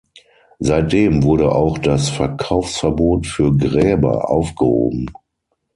Seitdem wurde auch das Verkaufsverbot für Gräber aufgehoben.